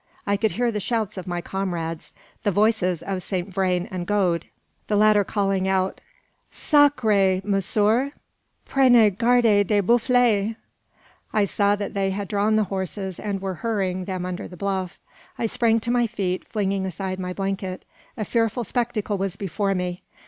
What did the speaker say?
I could hear the shouts of my comrades; the voices of Saint Vrain and Gode, the latter calling out "Sacr r re! monsieur; prenez garde des buffles!" I saw that they had drawn the horses, and were hurrying them under the bluff. I sprang to my feet, flinging aside my blanket. A fearful spectacle was before me.